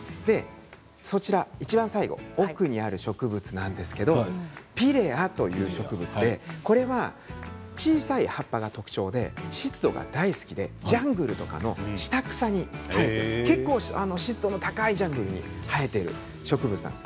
いちばん最後、奥にある植物ピレアという植物でこれは小さい葉っぱが特徴で湿度が大好きでジャングルとかの下草結構湿度の高いジャングルに生えている植物なんです。